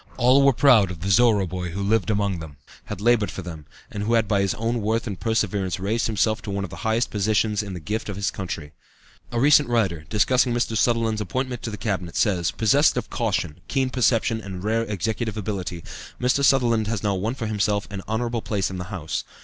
All were proud of "the Zorra boy" who had lived among them, had labored for them, and who had by his own worth and perseverance raised himself to one of the highest positions in the gift of his country. A recent writer, discussing Mr. Sutherland's appointment to the Cabinet, says: "Possessed of caution, keen perception, and rare executive ability, Mr. Sutherland has now won for himself an honorable place in the House.